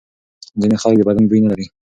ځینې خلک د بدن بوی نه لري.